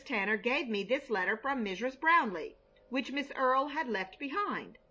Tanner gave me this letter from Mrs. Brownleigh, which Miss Earle had left behind.